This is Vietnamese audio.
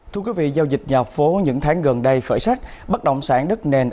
thưa quý vị giao dịch nhà phố những tháng gần đây khởi sắc bất động sản đất nền